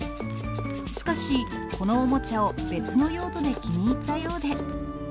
しかし、このおもちゃを別の用途で気に入ったようで。